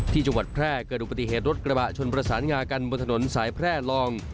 ที่จังหวัดแพร่เกิดอุปติเหตุรถกระบะชนประสานงากันบนถนนสายแพร่ลอง